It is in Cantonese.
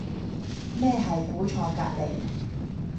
咩係估錯隔離